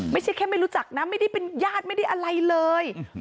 ไม่ใช่แค่ไม่รู้จักนะไม่ได้เป็นญาติไม่ได้อะไรเลย